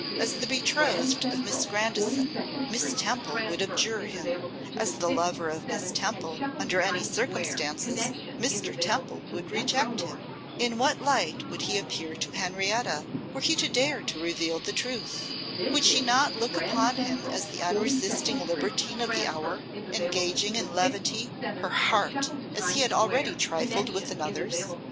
As the betrothed of Miss Grandison, Miss Temple would abjure him; as the lover of Miss Temple, under any circumstances, Mr. Temple would reject him. In what light would he appear to Henrietta were he to dare to reveal the truth? Would she not look upon him as the unresisting libertine of the hour, engaging in levity her heart as he had already trifled with another's?